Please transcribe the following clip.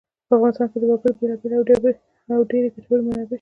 په افغانستان کې د وګړي بېلابېلې او ډېرې ګټورې منابع شته.